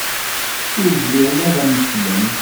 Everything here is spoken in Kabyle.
Ur zmiren ad am-slen.